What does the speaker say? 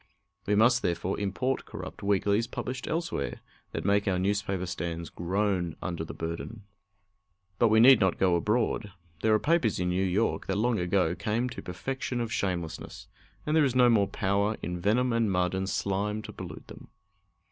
We must, therefore, import corrupt weeklies published elsewhere, that make our newspaper stands groan under the burden. But we need not go abroad. There are papers in New York that long ago came to perfection of shamelessness, and there is no more power in venom and mud and slime to pollute them.